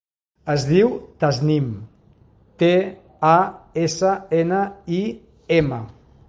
Es diu Tasnim: te, a, essa, ena, i, ema.